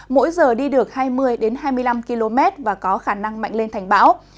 mỗi giờ đi được hai mươi hai mươi năm km và có khả năng mạnh lên thành bão